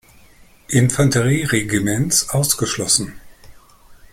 Infanterieregiments ausgeschlossen.